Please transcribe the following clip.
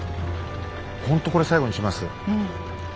ほんとこれ最後にします。